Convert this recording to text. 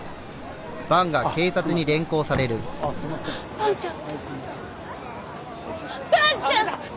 伴ちゃん！！